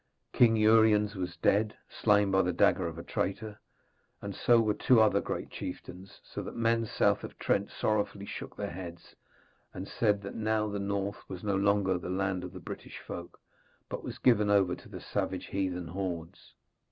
King Uriens was dead, slain by the dagger of a traitor, and so were two other great chieftains; so that men south of Trent sorrowfully shook their heads and said that now the north was no longer the land of the British folk, but was given over to the savage heathen hordes.